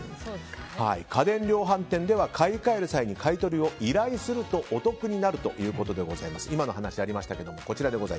家電量販店では買い換える際に買い取りを依頼するとお得になるということでございます。